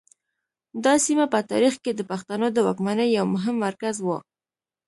دا سیمه په تاریخ کې د پښتنو د واکمنۍ یو مهم مرکز و